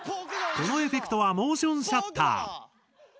このエフェクトは「モーションシャッター」。